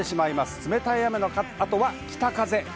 冷たい雨の後は北風。